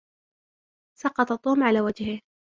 سقط توم على وجهه.